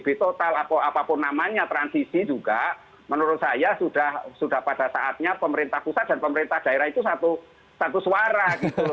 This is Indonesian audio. sehingga perdebatan tentang psbb total apapun namanya transisi juga menurut saya sudah pada saatnya pemerintah pusat dan pemerintah daerah itu satu suara gitu